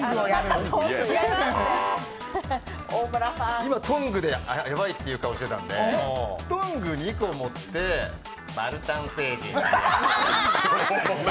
今、トングでヤバイって顔してたんでトング２個持って、バルタン星人。